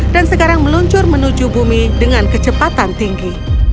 dan sekarang meluncur menuju bumi dengan kecepatan tinggi